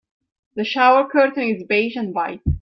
The shower curtain is beige and white.